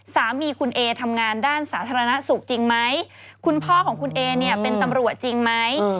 สามีคุณเอทำงานด้านสาธารณสุขจริงไหมคุณพ่อของคุณเอเนี่ยเป็นตำรวจจริงไหม